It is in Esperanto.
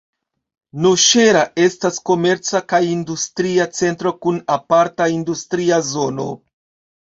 Noŝera estas komerca kaj industria centro kun aparta industria zono.